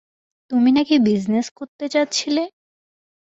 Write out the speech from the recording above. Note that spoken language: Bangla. তুমি নাকি বিজনেস করতে চাচ্ছিলে?